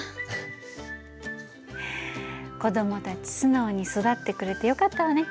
子どもたち素直に育ってくれてよかったわね。